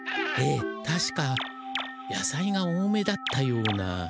ええたしか野菜が多めだったような。